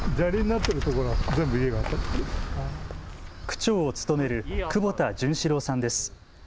区長を務める久保田純史郎さんです。